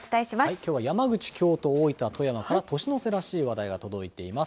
きょうは山口、京都、大分、富山、年の瀬らしい話題が届いています。